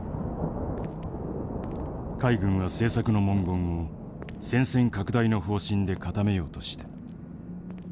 海軍は政策の文言を戦線拡大の方針で固めようとした。